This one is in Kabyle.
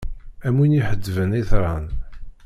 Am win iḥettben itran.